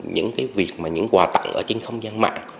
những cái việc mà những quà tặng ở trên không gian mạng